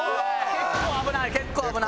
結構危ないね。